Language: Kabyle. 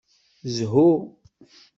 Zhu!